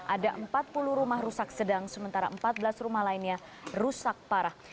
ada empat puluh rumah rusak sedang sementara empat belas rumah lainnya rusak parah